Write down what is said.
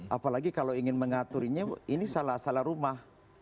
apalagi kalau ingin mengaturnya ini salah salah rumah